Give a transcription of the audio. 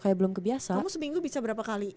kayak belum kebiasa kamu seminggu bisa berapa kali